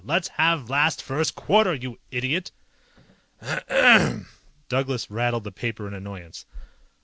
"Let's have last first quarter, you idiot!" "Ahem!" Douglas rattled the paper in annoyance.